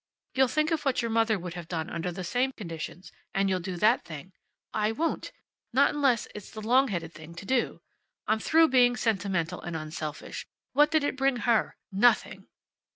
"You'll think of what your mother would have done under the same conditions, and you'll do that thing." "I won't. Not unless it's the long headed thing to do. I'm through being sentimental and unselfish. What did it bring her? Nothing!"